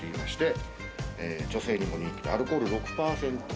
女性にも人気のアルコール６％。